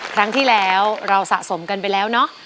ครั้งที่แล้วเราสะสมกันไปแล้วเนอะ